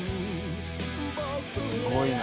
すごいな。